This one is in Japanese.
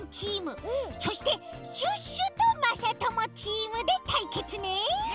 そしてシュッシュとまさともチームでたいけつね！